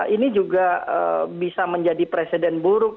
ini juga bisa menjadi presiden buruk